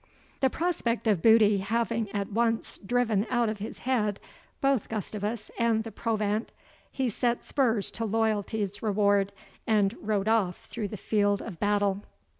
The prospect of booty having at once driven out of his head both Gustavus and the provant, he set spurs to Loyalty's Reward, and rode off through the field of battle.